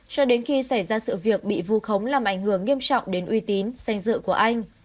cho đến khi xảy ra sự việc bị vu khống làm ảnh hưởng nghiêm trọng đến uy tín danh dự của anh